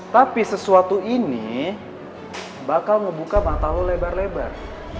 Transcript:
tapi sesuatu ini bakal ngebuka mata lo lebar lebar